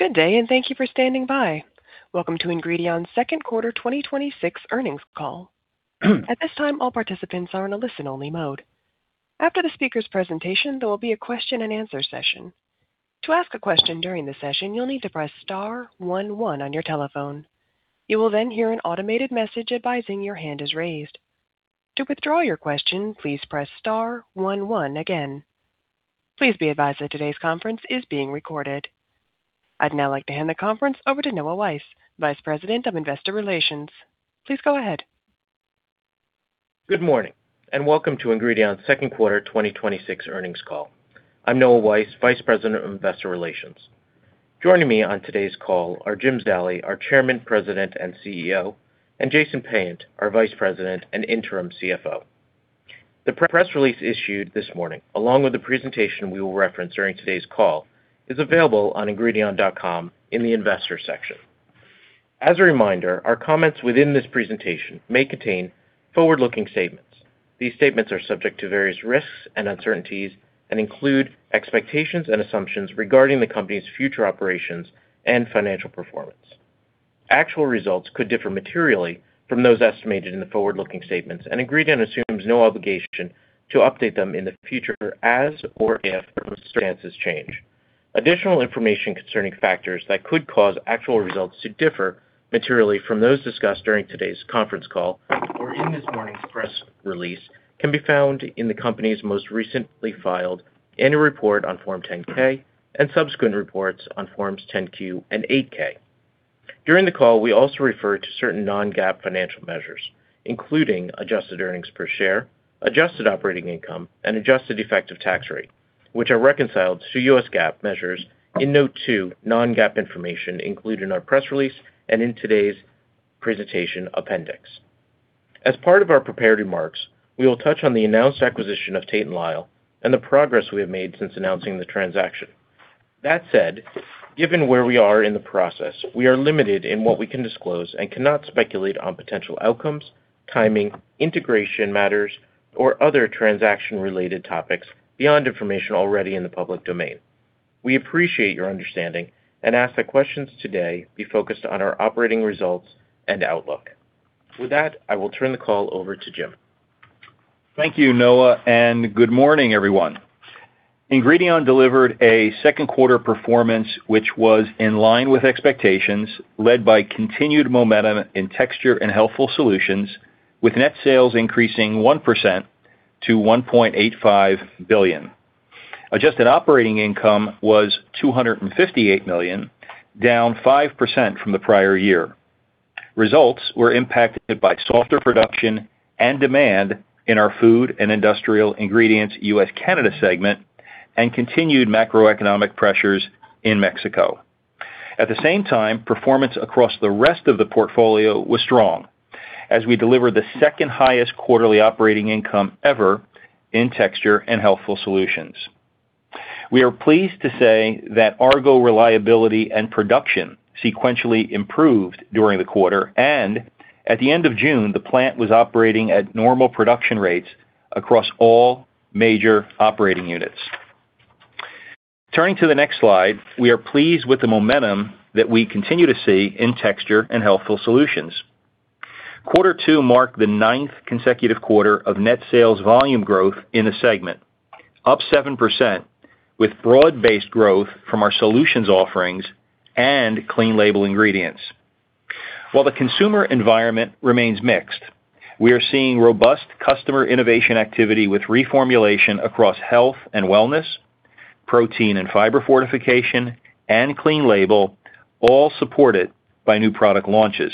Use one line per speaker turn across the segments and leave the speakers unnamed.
Good day. Thank you for standing by. Welcome to Ingredion's second quarter 2026 earnings call. At this time, all participants are in a listen-only mode. After the speaker's presentation, there will be a question and answer session. To ask a question during the session, you'll need to press star one one on your telephone. You will hear an automated message advising your hand is raised. To withdraw your question, please press star one one again. Please be advised that today's conference is being recorded. I'd now like to hand the conference over to Noah Weiss, Vice President of Investor Relations. Please go ahead.
Good morning. Welcome to Ingredion's second quarter 2026 earnings call. I'm Noah Weiss, Vice President of Investor Relations. Joining me on today's call are Jim Zallie, our Chairman, President, and CEO, and Jason Payant, our Vice President and Interim CFO. The press release issued this morning, along with the presentation we will reference during today's call, is available on ingredion.com in the Investors section. As a reminder, our comments within this presentation may contain forward-looking statements. These statements are subject to various risks and uncertainties and include expectations and assumptions regarding the company's future operations and financial performance. Actual results could differ materially from those estimated in the forward-looking statements. Ingredion assumes no obligation to update them in the future as, or if, circumstances change. Additional information concerning factors that could cause actual results to differ materially from those discussed during today's conference call or in this morning's press release can be found in the company's most recently filed annual report on Form 10-K and subsequent reports on Forms 10-Q and 8-K. During the call, we also refer to certain non-GAAP financial measures, including adjusted earnings per share, adjusted operating income, and adjusted effective tax rate, which are reconciled to U.S. GAAP measures in Note 2, Non-GAAP Information, included in our press release and in today's presentation appendix. As part of our prepared remarks, we will touch on the announced acquisition of Tate & Lyle and the progress we have made since announcing the transaction. That said, given where we are in the process, we are limited in what we can disclose and cannot speculate on potential outcomes, timing, integration matters, or other transaction-related topics beyond information already in the public domain. We appreciate your understanding and ask that questions today be focused on our operating results and outlook. With that, I will turn the call over to Jim.
Thank you, Noah, and good morning, everyone. Ingredion delivered a second quarter performance which was in line with expectations, led by continued momentum in Texture & Healthful Solutions, with net sales increasing 1% to $1.85 billion. Adjusted operating income was $258 million, down 5% from the prior year. Results were impacted by softer production and demand in our Food & Industrial Ingredients—U.S./CAN segment and continued macroeconomic pressures in Mexico. At the same time, performance across the rest of the portfolio was strong as we delivered the second highest quarterly operating income ever in Texture & Healthful Solutions. We are pleased to say that Argo reliability and production sequentially improved during the quarter, and at the end of June, the plant was operating at normal production rates across all major operating units. Turning to the next slide, we are pleased with the momentum that we continue to see in Texture & Healthful Solutions. Quarter two marked the ninth consecutive quarter of net sales volume growth in the segment, up 7%, with broad-based growth from our solutions offerings and clean-label ingredients. While the consumer environment remains mixed, we are seeing robust customer innovation activity with reformulation across health and wellness, protein and fiber fortification, and clean-label, all supported by new product launches.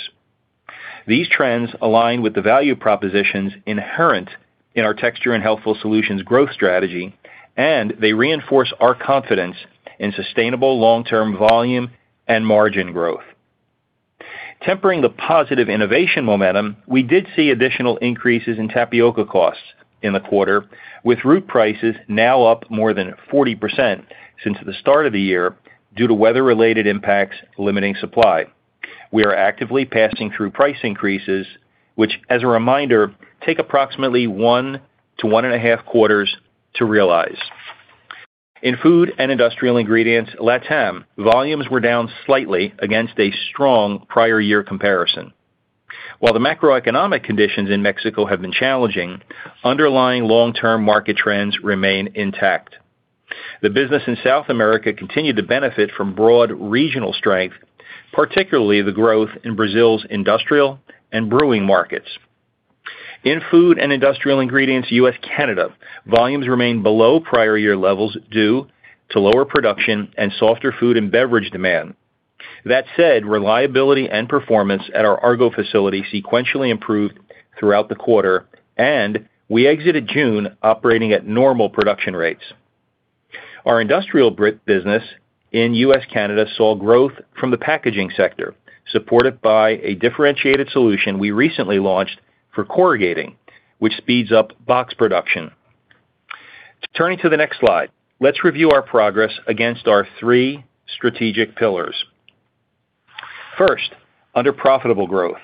These trends align with the value propositions inherent in our Texture & Healthful Solutions growth strategy, and they reinforce our confidence in sustainable long-term volume and margin growth. Tempering the positive innovation momentum, we did see additional increases in tapioca costs in the quarter, with root prices now up more than 40% since the start of the year due to weather-related impacts limiting supply. We are actively passing through price increases, which, as a reminder, take approximately one to one and a half quarters to realize. In Food & Industrial Ingredients—LATAM, volumes were down slightly against a strong prior year comparison. While the macroeconomic conditions in Mexico have been challenging, underlying long-term market trends remain intact. The business in South America continued to benefit from broad regional strength, particularly the growth in Brazil's industrial and brewing markets. In Food & Industrial Ingredients—U.S./CAN, volumes remained below prior year levels due to lower production and softer food and beverage demand. That said, reliability and performance at our Argo facility sequentially improved throughout the quarter, and we exited June operating at normal production rates. Our Industrial business in U.S./CAN saw growth from the packaging sector, supported by a differentiated solution we recently launched for corrugating, which speeds up box production. Turning to the next slide, let's review our progress against our three strategic pillars. First, under profitable growth,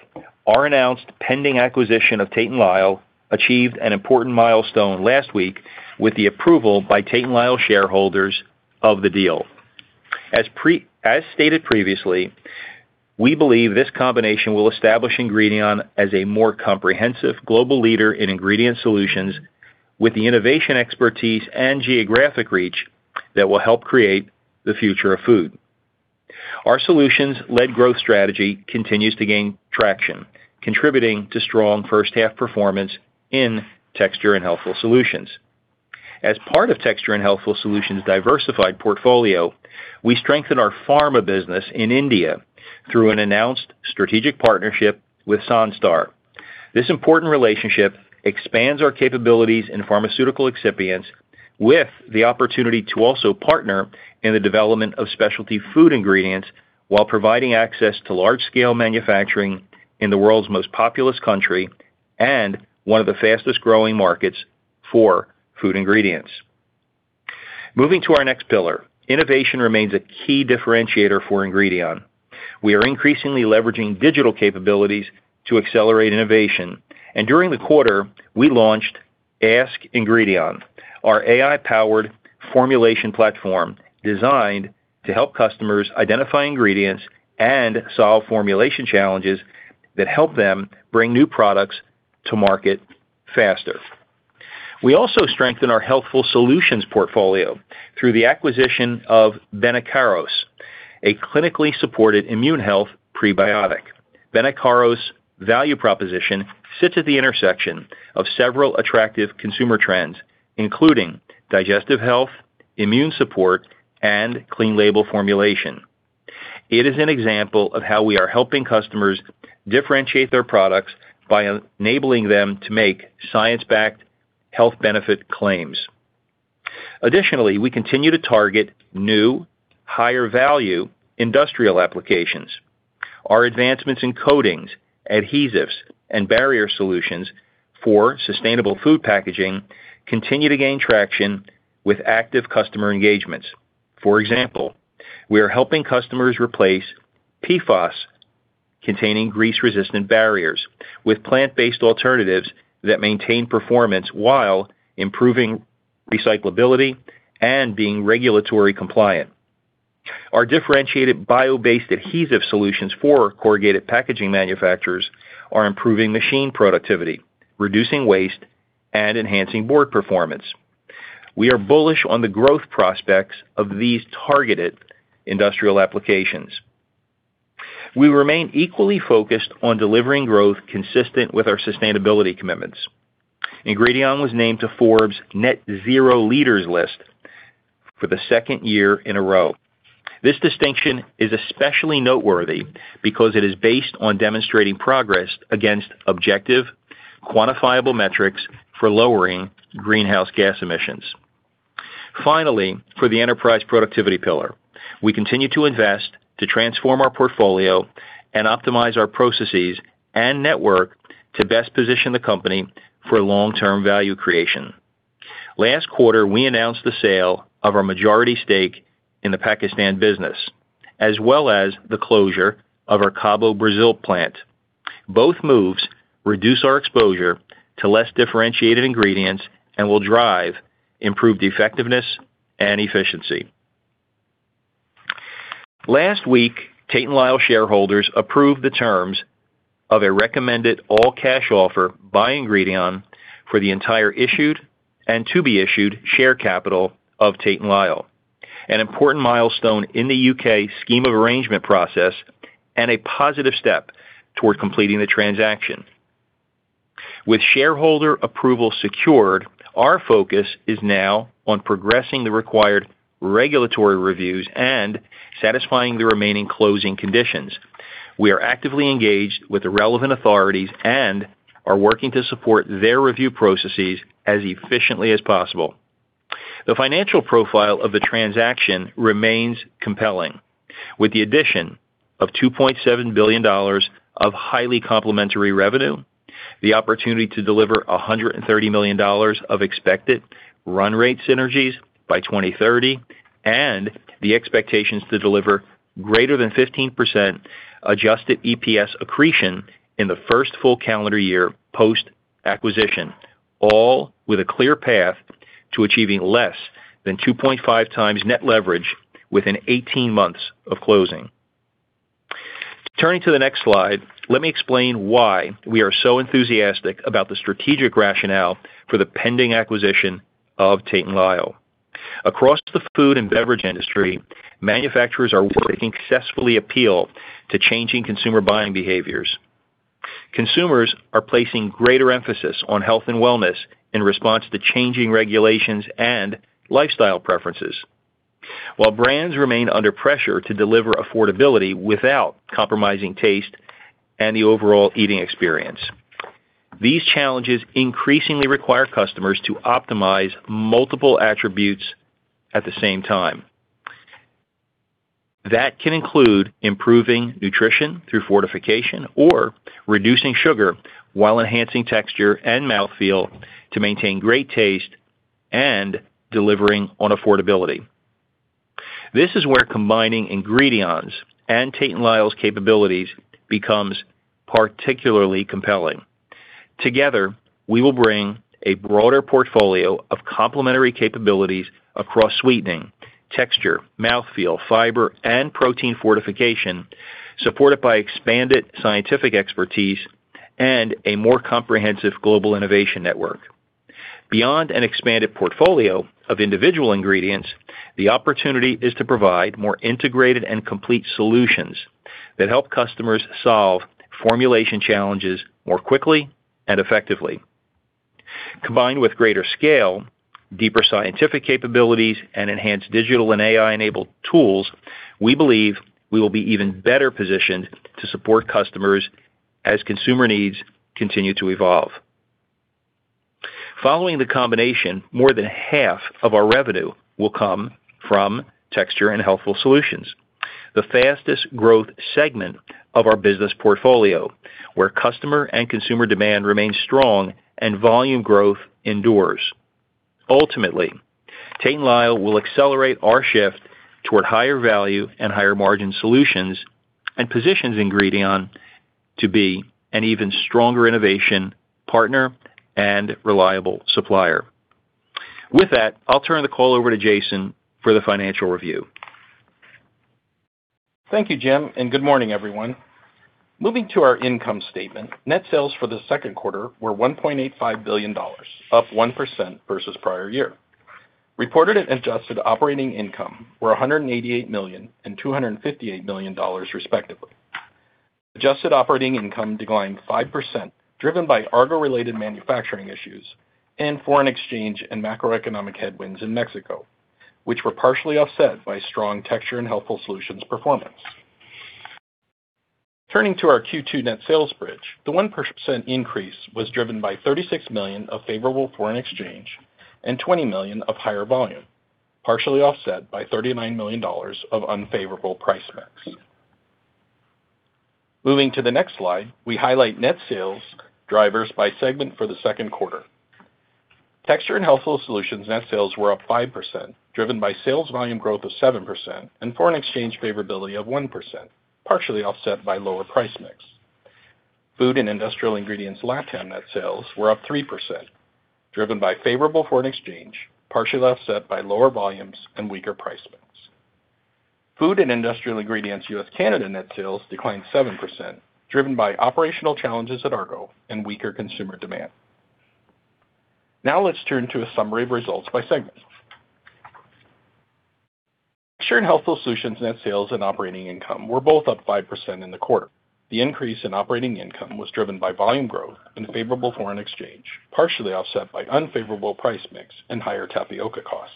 our announced pending acquisition of Tate & Lyle achieved an important milestone last week with the approval by Tate & Lyle shareholders of the deal. As stated previously, we believe this combination will establish Ingredion as a more comprehensive global leader in ingredient solutions with the innovation expertise and geographic reach that will help create the future of food. Our solutions-led growth strategy continues to gain traction, contributing to strong first half performance in Texture & Healthful Solutions. As part of Texture & Healthful Solutions' diversified portfolio, we strengthened our pharma business in India through an announced strategic partnership with Sanstar. This important relationship expands our capabilities in pharmaceutical excipients with the opportunity to also partner in the development of specialty food ingredients while providing access to large-scale manufacturing in the world's most populous country and one of the fastest-growing markets for food ingredients. Moving to our next pillar, innovation remains a key differentiator for Ingredion. We are increasingly leveraging digital capabilities to accelerate innovation. During the quarter, we launched Ask Ingredion, our AI-powered formulation platform designed to help customers identify ingredients and solve formulation challenges that help them bring new products to market faster. We also strengthened our Healthful Solutions portfolio through the acquisition of Benicaros, a clinically supported immune health prebiotic. Benicaros' value proposition sits at the intersection of several attractive consumer trends, including digestive health, immune support, and clean label formulation. It is an example of how we are helping customers differentiate their products by enabling them to make science-backed health benefit claims. Additionally, we continue to target new, higher-value industrial applications. Our advancements in coatings, adhesives, and barrier solutions for sustainable food packaging continue to gain traction with active customer engagements. For example, we are helping customers replace PFAS-containing grease-resistant barriers with plant-based alternatives that maintain performance while improving recyclability and being regulatory compliant. Our differentiated bio-based adhesive solutions for corrugated packaging manufacturers are improving machine productivity, reducing waste, and enhancing board performance. We are bullish on the growth prospects of these targeted industrial applications. We remain equally focused on delivering growth consistent with our sustainability commitments. Ingredion was named to Forbes' Net Zero Leaders list for the second year in a row. This distinction is especially noteworthy because it is based on demonstrating progress against objective, quantifiable metrics for lowering greenhouse gas emissions. Finally, for the enterprise productivity pillar, we continue to invest to transform our portfolio and optimize our processes and network to best position the company for long-term value creation. Last quarter, we announced the sale of our majority stake in the Pakistan business, as well as the closure of our Cabo, Brazil plant. Both moves reduce our exposure to less differentiated ingredients and will drive improved effectiveness and efficiency. Last week, Tate & Lyle shareholders approved the terms of a recommended all-cash offer by Ingredion for the entire issued and to-be-issued share capital of Tate & Lyle, an important milestone in the U.K. scheme of arrangement process and a positive step toward completing the transaction. With shareholder approval secured, our focus is now on progressing the required regulatory reviews and satisfying the remaining closing conditions. We are actively engaged with the relevant authorities and are working to support their review processes as efficiently as possible. The financial profile of the transaction remains compelling. With the addition of $2.7 billion of highly complementary revenue, the opportunity to deliver $130 million of expected run-rate synergies by 2030, and the expectations to deliver greater than 15% adjusted EPS accretion in the first full calendar year post-acquisition, all with a clear path to achieving less than 2.5x net leverage within 18 months of closing. Turning to the next slide, let me explain why we are so enthusiastic about the strategic rationale for the pending acquisition of Tate & Lyle. Across the food and beverage industry, manufacturers are working to successfully appeal to changing consumer buying behaviors. Consumers are placing greater emphasis on health and wellness in response to changing regulations and lifestyle preferences. While brands remain under pressure to deliver affordability without compromising taste and the overall eating experience. These challenges increasingly require customers to optimize multiple attributes at the same time. That can include improving nutrition through fortification or reducing sugar while enhancing texture and mouthfeel to maintain great taste and delivering on affordability. This is where combining Ingredion's and Tate & Lyle's capabilities becomes particularly compelling. Together, we will bring a broader portfolio of complementary capabilities across sweetening, texture, mouthfeel, fiber, and protein fortification, supported by expanded scientific expertise and a more comprehensive global innovation network. Beyond an expanded portfolio of individual ingredients, the opportunity is to provide more integrated and complete solutions that help customers solve formulation challenges more quickly and effectively. Combined with greater scale, deeper scientific capabilities, and enhanced digital and AI-enabled tools, we believe we will be even better positioned to support customers as consumer needs continue to evolve. Following the combination, more than 1/2 of our revenue will come from Texture & Healthful Solutions, the fastest growth segment of our business portfolio, where customer and consumer demand remains strong and volume growth endures. Ultimately, Tate & Lyle will accelerate our shift toward higher-value and higher-margin solutions and positions Ingredion to be an even stronger innovation partner and reliable supplier. With that, I'll turn the call over to Jason for the financial review.
Thank you, Jim, and good morning, everyone. Moving to our income statement, net sales for the second quarter were $1.85 billion, up 1% versus prior year. Reported and adjusted operating income were $188 million and $258 million respectively. Adjusted operating income declined 5%, driven by Argo-related manufacturing issues and foreign exchange and macroeconomic headwinds in Mexico, which were partially offset by strong Texture & Healthful Solutions performance. Turning to our Q2 net sales bridge, the 1% increase was driven by $36 million of favorable foreign exchange and $20 million of higher volume, partially offset by $39 million of unfavorable price mix. Moving to the next slide, we highlight net sales drivers by segment for the second quarter. Texture & Healthful Solutions net sales were up 5%, driven by sales volume growth of 7% and foreign exchange favorability of 1%, partially offset by lower price mix. Food & Industrial Ingredients—LATAM net sales were up 3%, driven by favorable foreign exchange, partially offset by lower volumes and weaker price mix. Food & Industrial Ingredients—U.S./CAN net sales declined 7%, driven by operational challenges at Argo and weaker consumer demand. Now let's turn to a summary of results by segment. Texture & Healthful Solutions net sales and operating income were both up 5% in the quarter. The increase in operating income was driven by volume growth and favorable foreign exchange, partially offset by unfavorable price mix and higher tapioca costs.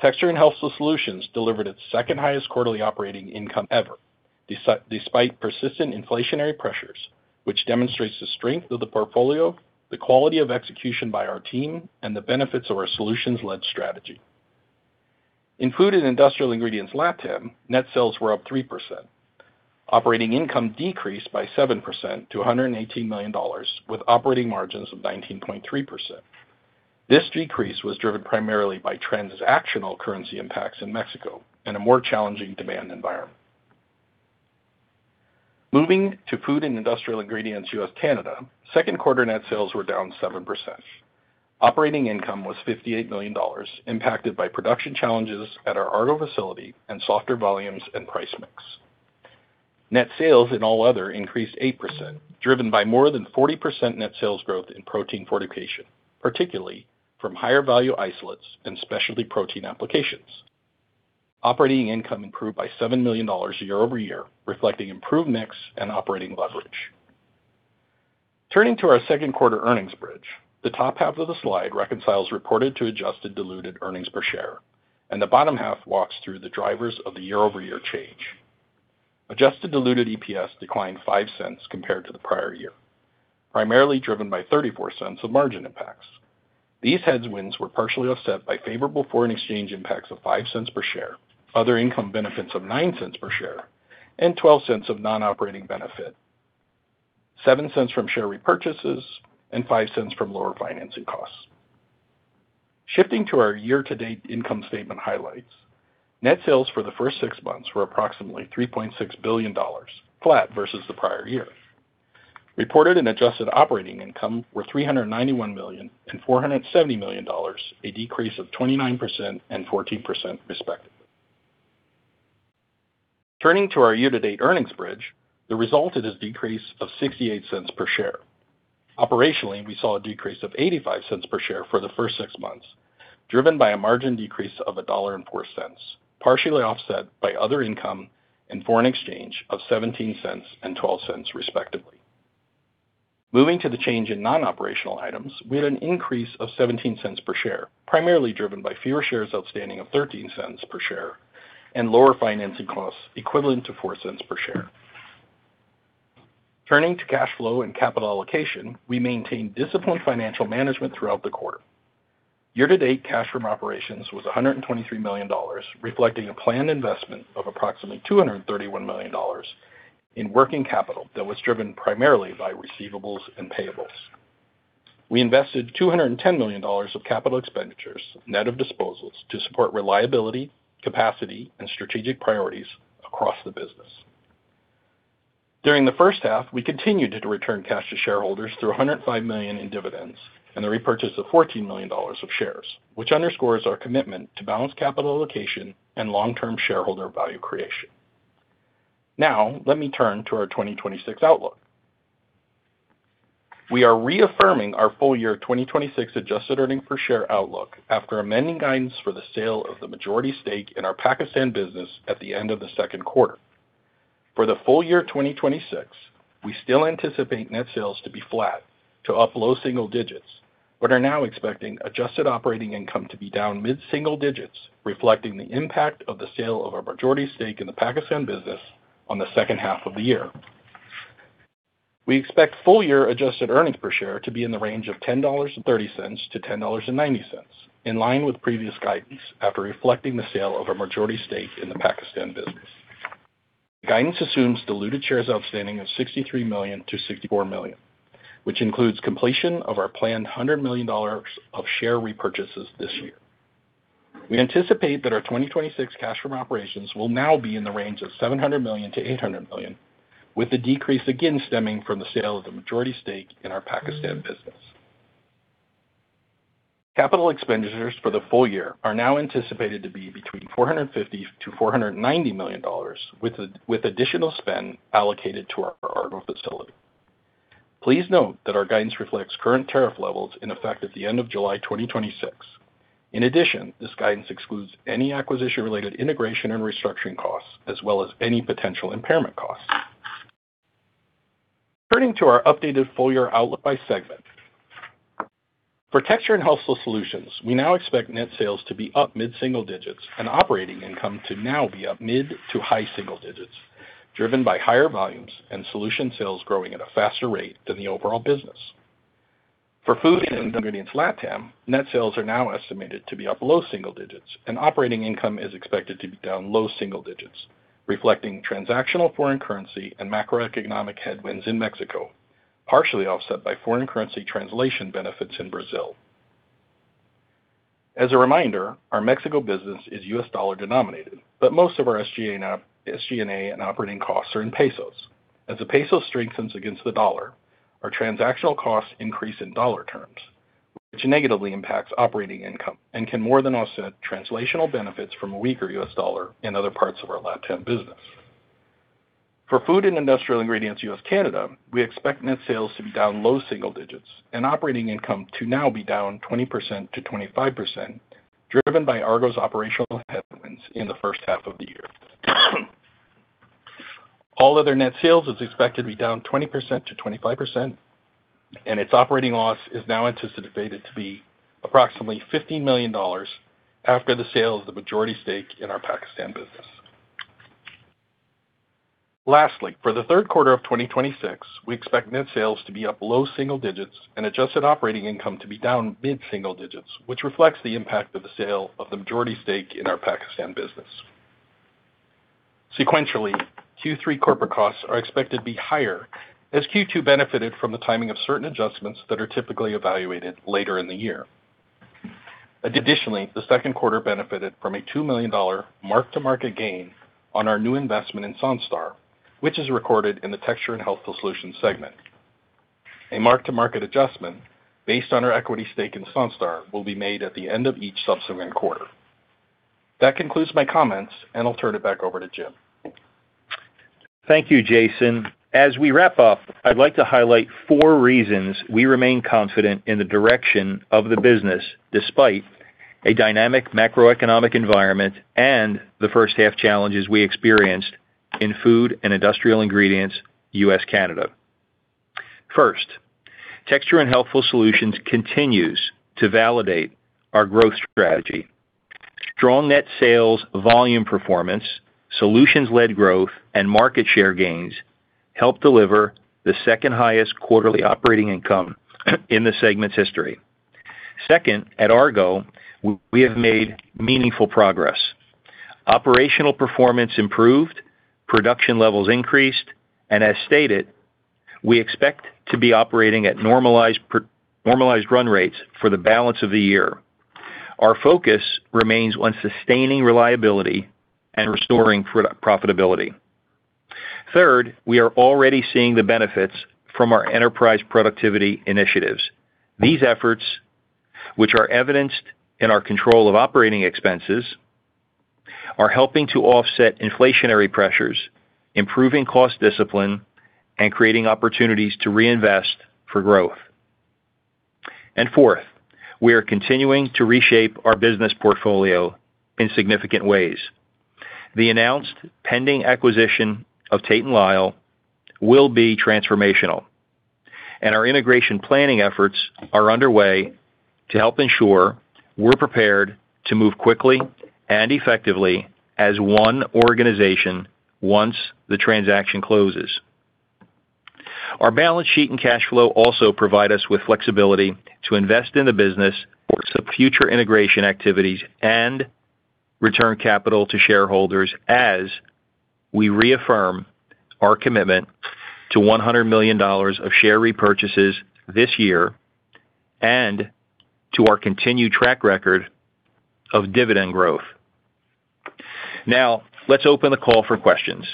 Texture & Healthful Solutions delivered its second highest quarterly operating income ever, despite persistent inflationary pressures, which demonstrates the strength of the portfolio, the quality of execution by our team, and the benefits of our solutions-led strategy. In Food & Industrial Ingredients—LATAM, net sales were up 3%. Operating income decreased by 7% to $118 million, with operating margins of 19.3%. This decrease was driven primarily by transactional currency impacts in Mexico and a more challenging demand environment. Moving to Food & Industrial Ingredients—U.S./CAN, second quarter net sales were down 7%. Operating income was $58 million, impacted by production challenges at our Argo facility and softer volumes and price mix. Net sales in All Other increased 8%, driven by more than 40% net sales growth in protein fortification, particularly from higher-value isolates and specialty protein applications. Operating income improved by $7 million year-over-year, reflecting improved mix and operating leverage. Turning to our second quarter earnings bridge, the top half of the slide reconciles reported to adjusted diluted earnings per share, and the bottom half walks through the drivers of the year-over-year change. Adjusted diluted EPS declined $0.05 compared to the prior year, primarily driven by $0.34 of margin impacts. These headwinds were partially offset by favorable foreign exchange impacts of $0.05 per share, other income benefits of $0.09 per share and $0.12 of non-operating benefit, $0.07 from share repurchases and $0.05 from lower financing costs. Shifting to our year-to-date income statement highlights, net sales for the first six months were approximately $3.6 billion, flat versus the prior year. Reported and adjusted operating income were $391 million and $470 million, a decrease of 29% and 14% respectively. Turning to our year-to-date earnings bridge, the result is a decrease of $0.68 per share. Operationally, we saw a decrease of $0.85 per share for the first six months, driven by a margin decrease of $1.04, partially offset by other income and foreign exchange of $0.17 and $0.12 respectively. Moving to the change in non-operational items, we had an increase of $0.17 per share, primarily driven by fewer shares outstanding of $0.13 per share and lower financing costs equivalent to $0.04 per share. Turning to cash flow and capital allocation, we maintained disciplined financial management throughout the quarter. Year-to-date cash from operations was $123 million, reflecting a planned investment of approximately $231 million in working capital that was driven primarily by receivables and payables. We invested $210 million of capital expenditures, net of disposals, to support reliability, capacity, and strategic priorities across the business. During the first half, we continued to return cash to shareholders through $105 million in dividends and the repurchase of $14 million of shares, which underscores our commitment to balanced capital allocation and long-term shareholder value creation. Let me turn to our 2026 outlook. We are reaffirming our full year 2026 adjusted earnings per share outlook after amending guidance for the sale of the majority stake in our Pakistan business at the end of the second quarter. For the full year 2026, we still anticipate net sales to be flat to up low single digits, but are now expecting adjusted operating income to be down mid-single digits, reflecting the impact of the sale of our majority stake in the Pakistan business on the second half of the year. We expect full year adjusted earnings per share to be in the range of $10.30-$10.90, in line with previous guidance, after reflecting the sale of a majority stake in the Pakistan business. Guidance assumes diluted shares outstanding of 63 million-64 million, which includes completion of our planned $100 million of share repurchases this year. We anticipate that our 2026 cash from operations will now be in the range of $700 million-$800 million, with the decrease again stemming from the sale of the majority stake in our Pakistan business. Capital expenditures for the full year are now anticipated to be between $450 million-$490 million, with additional spend allocated to our Argo facility. Please note that our guidance reflects current tariff levels in effect at the end of July 2026. In addition, this guidance excludes any acquisition-related integration and restructuring costs, as well as any potential impairment costs. Turning to our updated full year outlook by segment. For Texture & Healthful Solutions, we now expect net sales to be up mid-single digits and operating income to now be up mid to high single digits, driven by higher volumes and solution sales growing at a faster rate than the overall business. For Food & Industrial Ingredients—LATAM, net sales are now estimated to be up low single digits and operating income is expected to be down low single digits, reflecting transactional foreign currency and macroeconomic headwinds in Mexico, partially offset by foreign currency translation benefits in Brazil. As a reminder, our Mexico business is U.S. dollar-denominated, but most of our SG&A and operating costs are in Mexican pesos. As the peso strengthens against the dollar, our transactional costs increase in dollar terms, which negatively impacts operating income and can more than offset translational benefits from a weaker U.S. dollar in other parts of our LATAM business. For Food & Industrial Ingredients—U.S./CAN, we expect net sales to be down low single digits and operating income to now be down 20%-25%, driven by Argo's operational headwinds in the first half of the year. All other net sales is expected to be down 20%-25%, and its operating loss is now anticipated to be approximately $15 million after the sale of the majority stake in our Pakistan business. For the third quarter of 2026, we expect net sales to be up low single digits and adjusted operating income to be down mid-single digits, which reflects the impact of the sale of the majority stake in our Pakistan business. Sequentially, Q3 corporate costs are expected to be higher as Q2 benefited from the timing of certain adjustments that are typically evaluated later in the year. Additionally, the second quarter benefited from a $2 million mark-to-market gain on our new investment in Sanstar, which is recorded in the Texture & Healthful Solutions segment. A mark-to-market adjustment based on our equity stake in Sanstar will be made at the end of each subsequent quarter. That concludes my comments, and I'll turn it back over to Jim.
Thank you, Jason. As we wrap up, I'd like to highlight four reasons we remain confident in the direction of the business despite a dynamic macroeconomic environment and the first half challenges we experienced in Food & Industrial Ingredients—U.S./CAN. First, Texture & Healthful Solutions continues to validate our growth strategy. Strong net sales volume performance, solutions-led growth, and market share gains helped deliver the second-highest quarterly operating income in the segment's history. Second, at Argo, we have made meaningful progress. Operational performance improved, production levels increased, and as stated, we expect to be operating at normalized run rates for the balance of the year. Our focus remains on sustaining reliability and restoring profitability. Third, we are already seeing the benefits from our enterprise productivity initiatives. These efforts, which are evidenced in our control of operating expenses, are helping to offset inflationary pressures, improving cost discipline, and creating opportunities to reinvest for growth. Fourth, we are continuing to reshape our business portfolio in significant ways. The announced pending acquisition of Tate & Lyle will be transformational, and our integration planning efforts are underway to help ensure we're prepared to move quickly and effectively as one organization once the transaction closes. Our balance sheet and cash flow also provide us with flexibility to invest in the business for some future integration activities and return capital to shareholders as we reaffirm our commitment to $100 million of share repurchases this year and to our continued track record of dividend growth. Now, let's open the call for questions.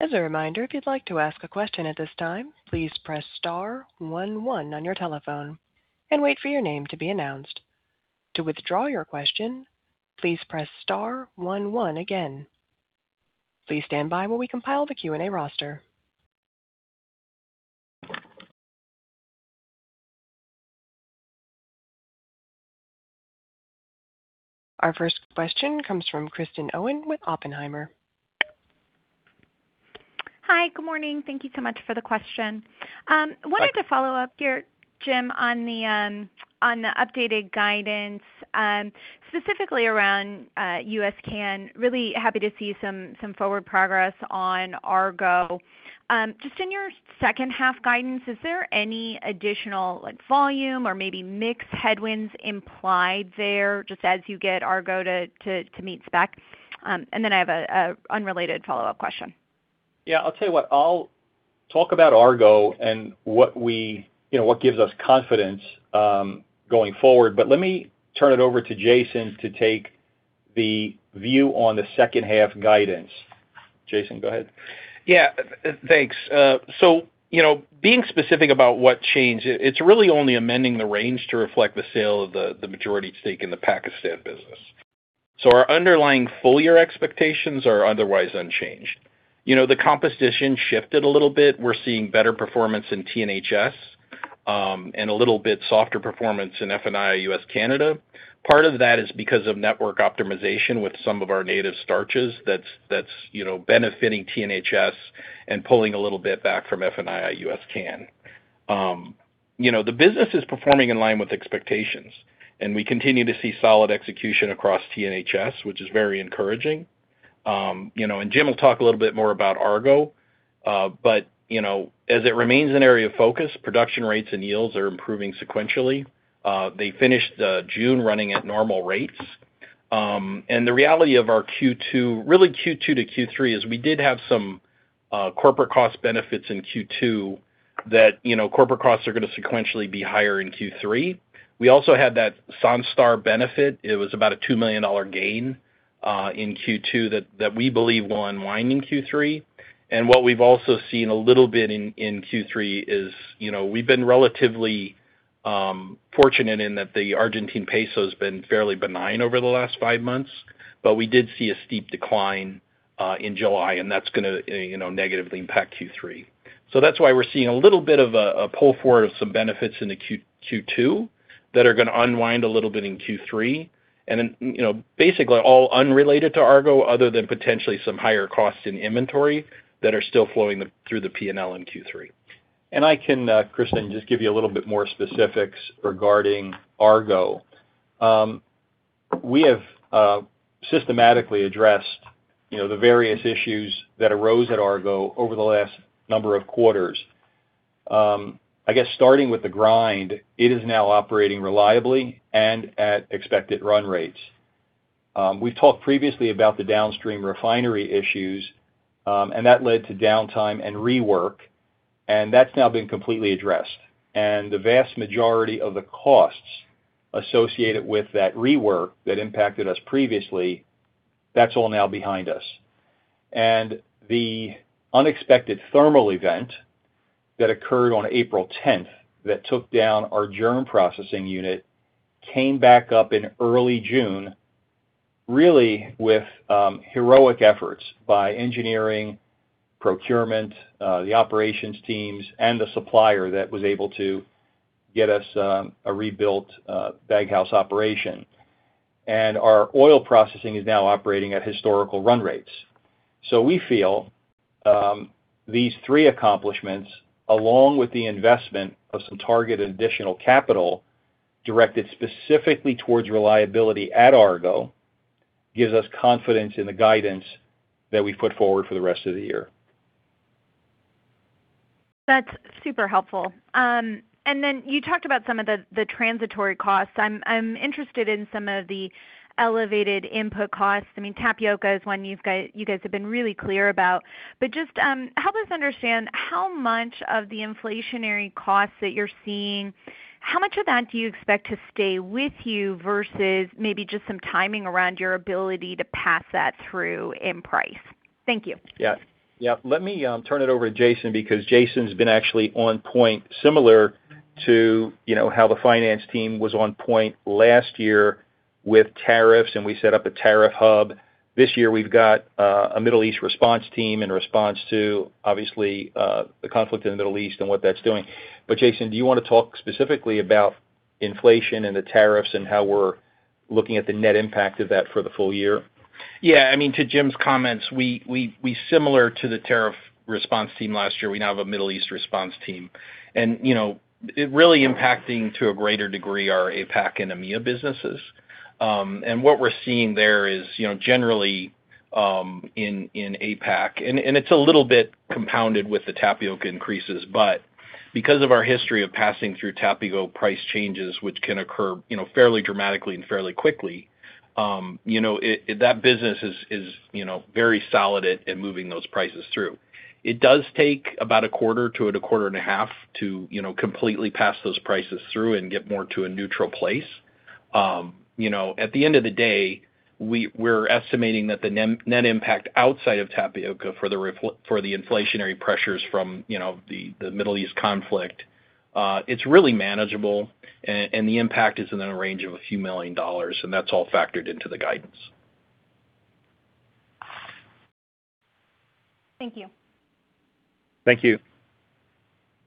As a reminder, if you'd like to ask a question at this time, please press star one one on your telephone and wait for your name to be announced. To withdraw your question, please press star one one again. Please stand by while we compile the Q&A roster. Our first question comes from Kristen Owen with Oppenheimer.
Hi. Good morning. Thank you so much for the question.
Hi.
Wanted to follow up here, Jim, on the updated guidance, specifically around U.S./CAN. Really happy to see some forward progress on Argo. Just in your second half guidance, is there any additional volume or maybe mix headwinds implied there just as you get Argo to meet spec? I have an unrelated follow-up question.
I'll tell you what, I'll talk about Argo and what gives us confidence going forward. Let me turn it over to Jason to take the view on the second half guidance. Jason, go ahead.
Thanks. Being specific about what changed, it's really only amending the range to reflect the sale of the majority stake in the Pakistan business. Our underlying full-year expectations are otherwise unchanged. The composition shifted a little bit. We're seeing better performance in T&HS, and a little bit softer performance in F&II—U.S./CAN. Part of that is because of network optimization with some of our native starches that's benefiting T&HS and pulling a little bit back from F&II—U.S./CAN. The business is performing in line with expectations, and we continue to see solid execution across T&HS, which is very encouraging. Jim will talk a little bit more about Argo. As it remains an area of focus, production rates and yields are improving sequentially. They finished June running at normal rates. The reality of our Q2, really Q2 to Q3, is we did have some corporate cost benefits in Q2 that corporate costs are going to sequentially be higher in Q3. We also had that Sanstar benefit. It was about a $2 million gain in Q2 that we believe will unwind in Q3. What we've also seen a little bit in Q3 is we've been relatively fortunate in that the Argentine peso has been fairly benign over the last five months. We did see a steep decline in July, and that's going to negatively impact Q3. That's why we're seeing a little bit of a pull forward of some benefits into Q2 that are going to unwind a little bit in Q3. Basically all unrelated to Argo, other than potentially some higher costs in inventory that are still flowing through the P&L in Q3.
I can, Kristen, just give you a little bit more specifics regarding Argo. We have systematically addressed the various issues that arose at Argo over the last number of quarters. I guess starting with the grind, it is now operating reliably and at expected run rates. We've talked previously about the downstream refinery issues, and that led to downtime and rework, and that's now been completely addressed. The vast majority of the costs associated with that rework that impacted us previously, that's all now behind us. The unexpected thermal event that occurred on April 10th that took down our germ processing unit came back up in early June, really with heroic efforts by engineering, procurement, the operations teams, and the supplier that was able to get us a rebuilt baghouse operation. Our oil processing is now operating at historical run rates. We feel these three accomplishments, along with the investment of some targeted additional capital directed specifically towards reliability at Argo, gives us confidence in the guidance that we've put forward for the rest of the year.
That's super helpful. Then you talked about some of the transitory costs. I'm interested in some of the elevated input costs. Tapioca is one you guys have been really clear about. Just help us understand how much of the inflationary costs that you're seeing, how much of that do you expect to stay with you versus maybe just some timing around your ability to pass that through in price? Thank you.
Let me turn it over to Jason because Jason's been actually on point similar to how the finance team was on point last year with tariffs. We set up a tariff hub. This year we've got a Middle East response team in response to obviously the conflict in the Middle East and what that's doing. Jason, do you want to talk specifically about inflation and the tariffs and how we're looking at the net impact of that for the full year?
Yeah. To Jim's comments, we similar to the tariff response team last year, we now have a Middle East response team. It really impacting to a greater degree our APAC and EMEA businesses. What we're seeing there is generally in APAC, it's a little bit compounded with the tapioca increases. Because of our history of passing through tapioca price changes, which can occur fairly dramatically and fairly quickly, that business is very solid at moving those prices through. It does take about a quarter to a quarter and a half to completely pass those prices through and get more to a neutral place. At the end of the day, we're estimating that the net impact outside of tapioca for the inflationary pressures from the Middle East conflict, it's really manageable, and the impact is in a range of a few million dollars, and that's all factored into the guidance.
Thank you.
Thank you.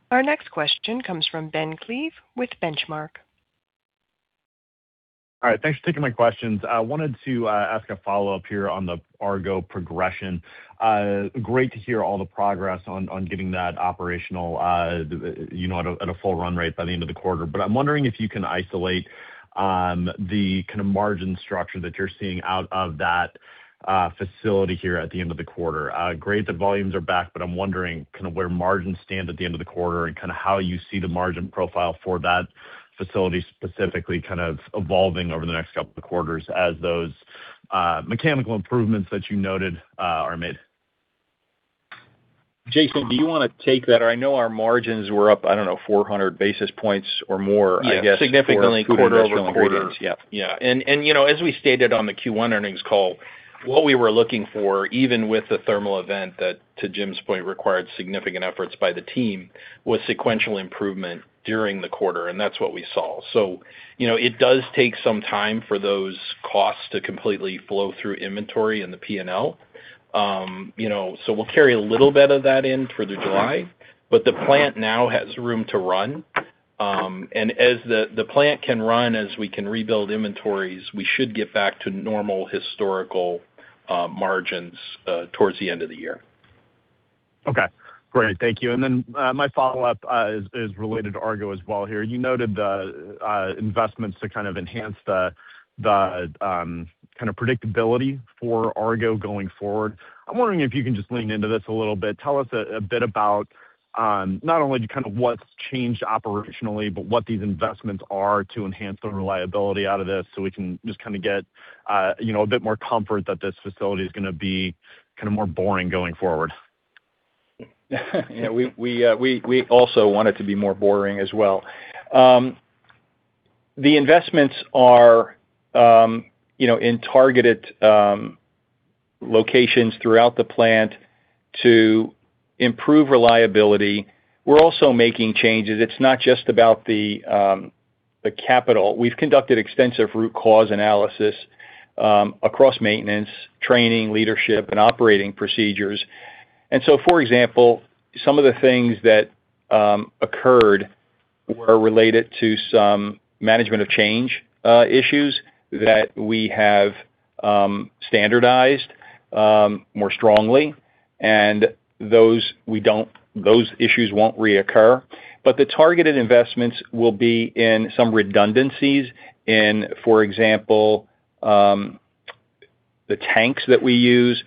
Our next question comes from Ben Klieve with Benchmark.
All right. Thanks for taking my questions. I wanted to ask a follow-up here on the Argo progression. Great to hear all the progress on getting that operational at a full run rate by the end of the quarter. I'm wondering if you can isolate the kind of margin structure that you're seeing out of that facility here at the end of the quarter. Great that volumes are back, but I'm wondering where margins stand at the end of the quarter and how you see the margin profile for that facility specifically evolving over the next couple of quarters as those mechanical improvements that you noted are made.
Jason, do you want to take that? I know our margins were up, I don't know, 400 basis points or more, I guess.
Yeah. Significantly quarter-over-quarter.
For Food & Industrial Ingredients.
Yeah. As we stated on the Q1 earnings call, what we were looking for, even with the thermal event that, to Jim's point, required significant efforts by the team, was sequential improvement during the quarter, and that's what we saw. It does take some time for those costs to completely flow through inventory in the P&L. We'll carry a little bit of that in through July. The plant now has room to run. As the plant can run, as we can rebuild inventories, we should get back to normal historical margins towards the end of the year.
Okay. Great. Thank you. My follow-up is related to Argo as well here. You noted the investments to kind of enhance the predictability for Argo going forward. I'm wondering if you can just lean into this a little bit. Tell us a bit about not only what's changed operationally, but what these investments are to enhance the reliability out of this so we can just kind of get a bit more comfort that this facility is going to be more boring going forward.
We also want it to be more boring as well. The investments are in targeted locations throughout the plant to improve reliability. We're also making changes. It's not just about the capital. We've conducted extensive root cause analysis across maintenance, training, leadership, and operating procedures. For example, some of the things that occurred were related to some management of change issues that we have standardized more strongly, and those issues won't reoccur. The targeted investments will be in some redundancies in, for example, the tanks that we use.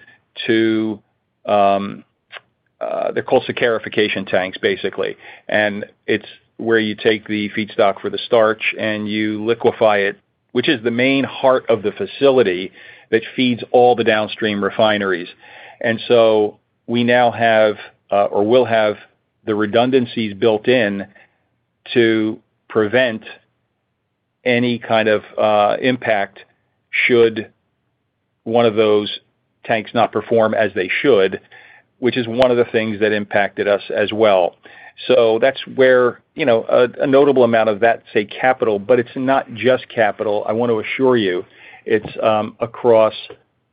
They're called saccharification tanks, basically. It's where you take the feedstock for the starch and you liquefy it, which is the main heart of the facility that feeds all the downstream refineries. We now have, or will have the redundancies built in to prevent any kind of impact should one of those tanks not perform as they should, which is one of the things that impacted us as well. That is where a notable amount of that, say, capital, but it is not just capital, I want to assure you. It is across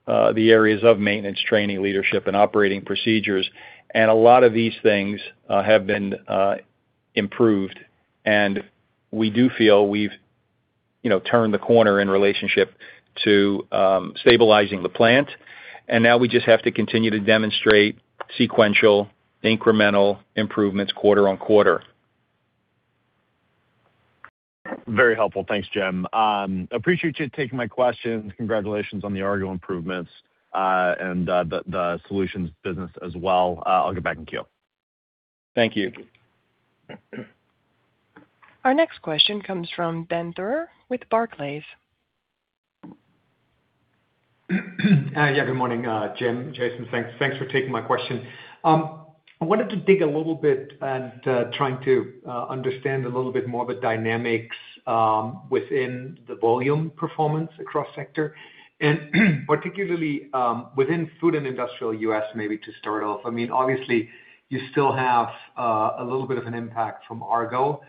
the areas of maintenance, training, leadership, and operating procedures. A lot of these things have been improved, and we do feel we have turned the corner in relationship to stabilizing the plant. Now we just have to continue to demonstrate sequential incremental improvements quarter on quarter.
Very helpful. Thanks, Jim. Appreciate you taking my questions. Congratulations on the Argo improvements and the solutions business as well. I will get back in queue.
Thank you.
Thank you.
Our next question comes from Ben Theurer with Barclays.
Yeah, good morning, Jim, Jason. Thanks for taking my question. I wanted to dig a little bit and trying to understand a little bit more of the dynamics within the volume performance across sector, and particularly within Food & Industrial Ingredients—U.S./CAN maybe to start off. Obviously, you still have a little bit of an impact from Argo.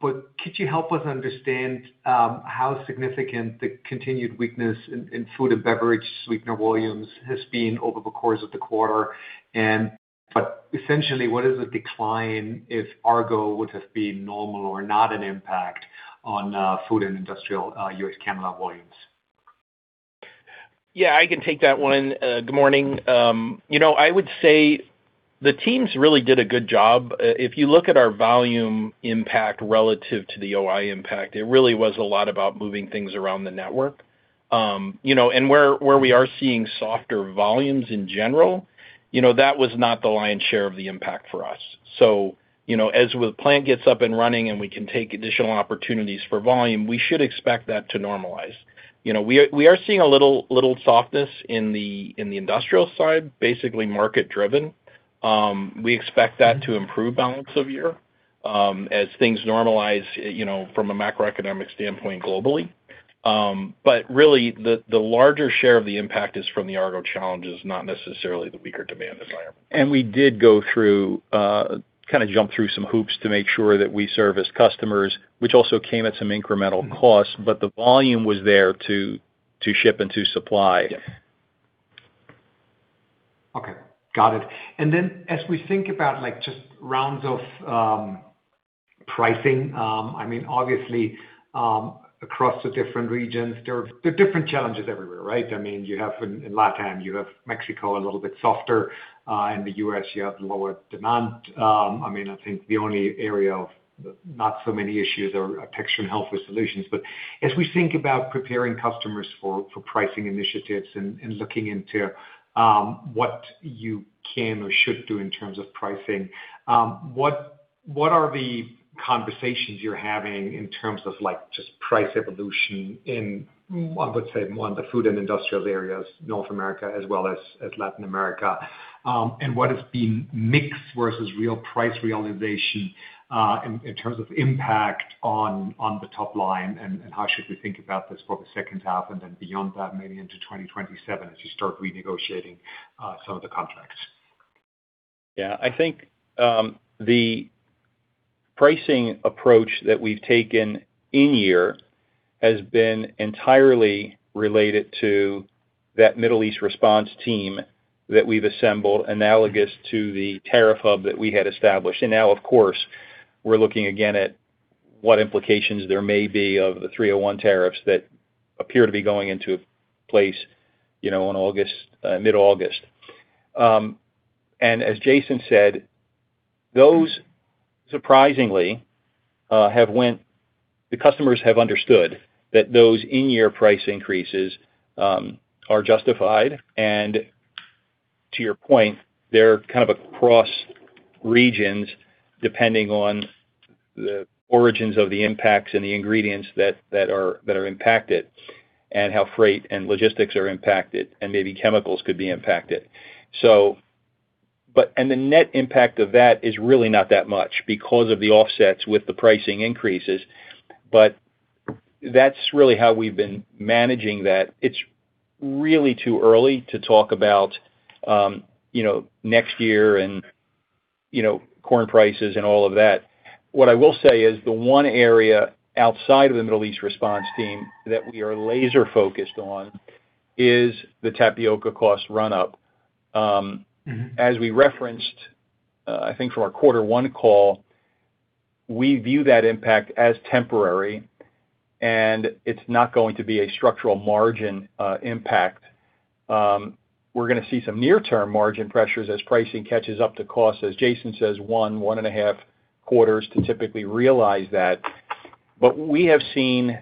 Could you help us understand how significant the continued weakness in food and beverage sweetener volumes has been over the course of the quarter? Essentially, what is the decline if Argo would have been normal or not an impact on Food & Industrial Ingredients—U.S./CAN volumes?
Yeah, I can take that one. Good morning. I would say the teams really did a good job. If you look at our volume impact relative to the OI impact, it really was a lot about moving things around the network. Where we are seeing softer volumes in general, that was not the lion's share of the impact for us. As the plant gets up and running and we can take additional opportunities for volume, we should expect that to normalize. We are seeing a little softness in the Industrial side, basically market-driven. We expect that to improve balance of year as things normalize from a macroeconomic standpoint globally. Really, the larger share of the impact is from the Argo challenges, not necessarily the weaker demand environment.
We did go through, kind of jump through some hoops to make sure that we service customers, which also came at some incremental costs, but the volume was there to ship and to supply.
Yes. Okay, got it. As we think about just rounds of pricing, obviously across the different regions, there are different challenges everywhere, right? In LATAM, you have Mexico a little bit softer. In the U.S., you have lower demand. I think the only area of not so many issues are Texture & Healthful Solutions. As we think about preparing customers for pricing initiatives and looking into what you can or should do in terms of pricing, what are the conversations you're having in terms of just price evolution in, I would say, one of the Food & Industrial Ingredients, North America as well as Latin America? What has been mix versus real price realization in terms of impact on the top line, and how should we think about this for the second half and beyond that, maybe into 2027 as you start renegotiating some of the contracts?
Yeah. I think the pricing approach that we've taken in year has been entirely related to that Middle East response team that we've assembled, analogous to the Tariff Hub that we had established. Now, of course, we're looking again at what implications there may be of the 301 tariffs that appear to be going into place mid-August. As Jason said, those surprisingly the customers have understood that those in-year price increases are justified. To your point, they're kind of across regions, depending on the origins of the impacts and the ingredients that are impacted and how freight and logistics are impacted, and maybe chemicals could be impacted. The net impact of that is really not that much because of the offsets with the pricing increases. That's really how we've been managing that. It's really too early to talk about next year and corn prices and all of that. What I will say is the one area outside of the Middle East response team that we are laser-focused on is the tapioca cost run-up. As we referenced, I think from our quarter one call, we view that impact as temporary and it's not going to be a structural margin impact. We're going to see some near-term margin pressures as pricing catches up to cost as Jason says, one and a half quarters to typically realize that. We have seen,